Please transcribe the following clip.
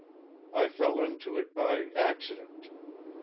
I fell into it by accident.